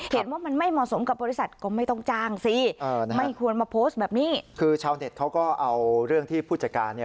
เห็นว่ามันไม่เหมาะสมกับบริษัทก็ไม่ต้องจ้างสิไม่ควรมาโพสต์แบบนี้คือชาวเน็ตเขาก็เอาเรื่องที่ผู้จัดการเนี่ย